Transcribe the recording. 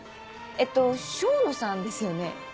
えっと笙野さんですよね？